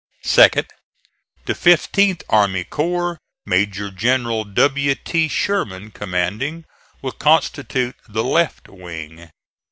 Second. The Fifteenth army corps, Major General W. T. Sherman commanding, will constitute the left wing.